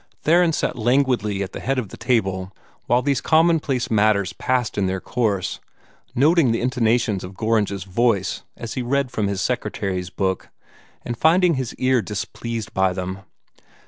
Theron sat languidly at the head of the table while these common place matters passed in their course, noting the intonations of Gorringe's voice as he read from his secretary's book, and finding his ear displeased by them.